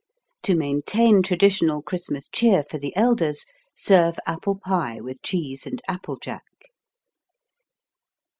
To maintain traditional Christmas cheer for the elders, serve apple pie with cheese and applejack.